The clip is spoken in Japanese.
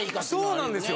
そうなんですよ。